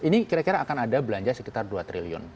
ini kira kira akan ada belanja sekitar dua triliun